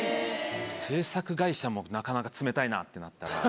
制作会社もなかなか冷たいなってなったら。